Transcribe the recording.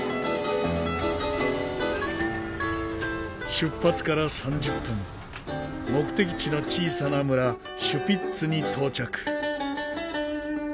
出発から３０分目的地の小さな村シュピッツに到着。